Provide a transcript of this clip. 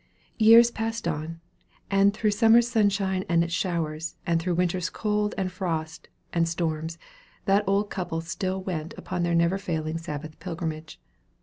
Years passed on; and through summer's sunshine and its showers, and through winter's cold and frost, and storms, that old couple still went upon their never failing Sabbath pilgrimage.